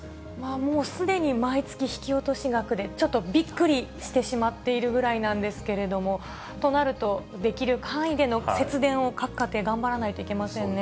もうすでに毎月、引き落とし額で、ちょっとびっくりしてしまっているぐらいなんですけれども、となると、できる範囲での節電を各家庭、頑張らないといけませんね。